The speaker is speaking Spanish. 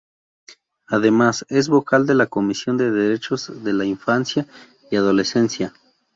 Además, es vocal de la Comisión de Derechos de la Infancia y Adolescencia.